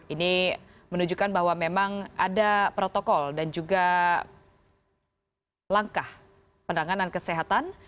ini menunjukkan bahwa memang ada protokol dan juga langkah penanganan kesehatan